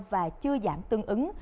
và chưa giảm tương ứng